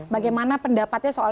bagaimana pendapatnya soal